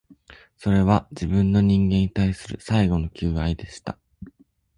それは、自分の、人間に対する最後の求愛でした